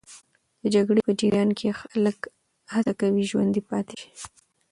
د جګړې په جریان کې خلک هڅه کوي ژوندي پاتې سي.